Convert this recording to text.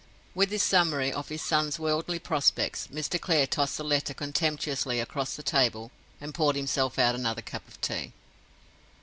With this summary of his son's worldly prospects, Mr. Clare tossed the letter contemptuously across the table and poured himself out another cup of tea.